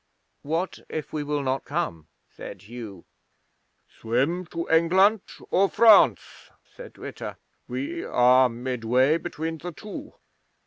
'"What if we will not come?" said Hugh. '"Swim to England or France," said Witta. "We are midway between the two.